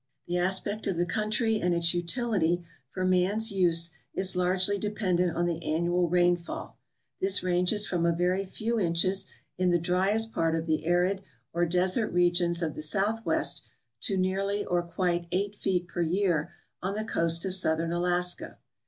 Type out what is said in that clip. The aspect of the country and its utility for man's use is largely dependent on the annual rainfiill. This ranges from a very few inches in the driest part of the arid or desert regions of the southwest to nearly or quite 8 feet per year on the coast of Southern Alaska.